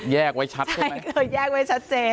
แยกไว้ชัดแยกไว้ชัดเจน